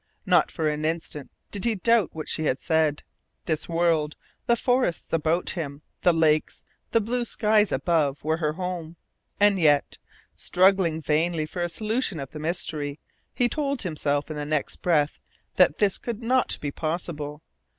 Not for an instant did he doubt what she had said. This world the forests about him, the lakes, the blue skies above, were her home. And yet, struggling vainly for a solution of the mystery, he told himself in the next breath that this could not be possible.